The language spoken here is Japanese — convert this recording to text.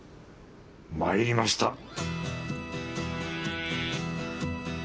まいりました！